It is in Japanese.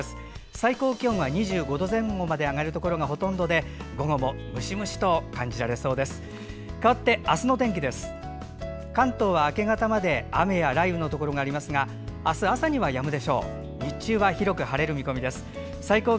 最高気温は２５度前後まで上がるところがほとんどで午後もムシムシと感じられそうです。